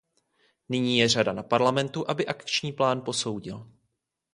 Nyní je řada na Parlamentu, aby akční plán posoudil.